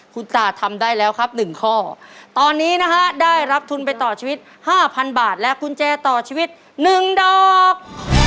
คุณตาทำได้แล้วครับ๑ข้อตอนนี้นะฮะได้รับทุนไปต่อชีวิต๕๐๐๐บาทและกุญแจต่อชีวิต๑ดอก